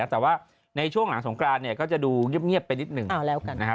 แต่ว่าในช่วงหลังสงกรานก็จะดูเงียบไปนิดหนึ่ง